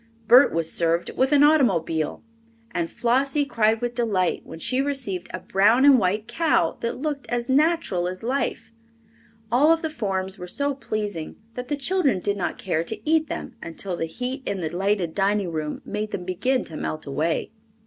Bert was served with an automobile, and Flossie cried with delight when she received a brown and white cow that looked as natural as life. All of the forms were so pleasing that the children did not care to eat them until the heat in the lighted dining room made them begin to melt away.